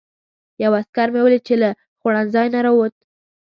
یو عسکر مې ولید چې له خوړنځای نه راووت.